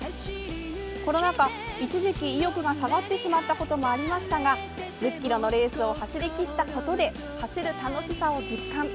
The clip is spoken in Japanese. コロナ禍、一時期意欲が下がってしまったこともありましたが１０ｋｍのレースを走り切ったことで走る楽しさを実感。